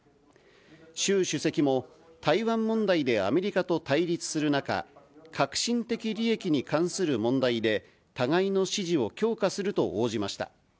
習主席も台湾問題でアメリカと対立する中、核心的利益に関する問題で互いの支持を強化すると応じました。